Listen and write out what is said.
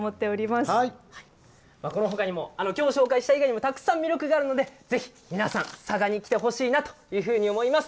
このほかにも今日紹介した以外にもたくさん魅力があるので皆さん佐賀に来てほしいなと思います。